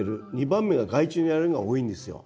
２番目が害虫にやられるのが多いんですよ。